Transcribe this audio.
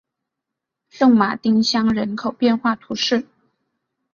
圣马丁乡人口变化图示